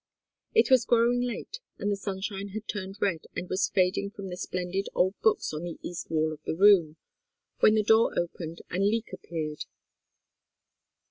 It was growing late, and the sunshine had turned red and was fading from the splendid old books on the east wall of the room, when the door opened and Leek appeared.